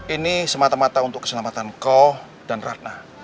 ini semata mata untuk keselamatan ko dan ratna